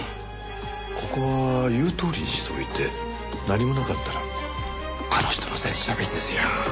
ここは言うとおりにしておいて何もなかったらあの人のせいにしちゃえばいいんですよ。